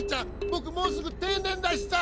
ぼくもうすぐ定年だしさ！